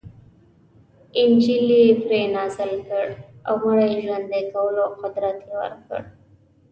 انجیل یې پرې نازل کړ او مړي ژوندي کولو قدرت یې ورکړ.